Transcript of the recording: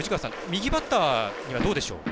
右バッターにはどうでしょう？